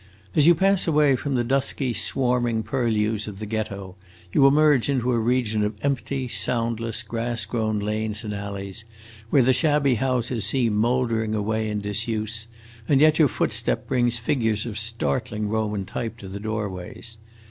As you pass away from the dusky, swarming purlieus of the Ghetto, you emerge into a region of empty, soundless, grass grown lanes and alleys, where the shabby houses seem mouldering away in disuse, and yet your footstep brings figures of startling Roman type to the doorways.